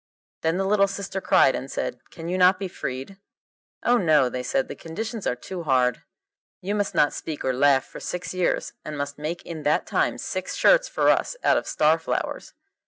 Then the little sister cried and said, 'Can you not be freed?' 'Oh, no,' they said, 'the conditions are too hard. You must not speak or laugh for six years, and must make in that time six shirts for us out of star flowers.